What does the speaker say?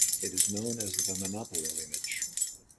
It is known as the Manoppello Image.